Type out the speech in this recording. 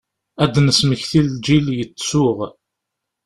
Ad d-nesmekti lğil yettsuɣ.